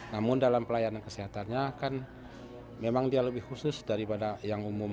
namun dalam pelayanan kesehatannya kan memang dia lebih khusus daripada yang umum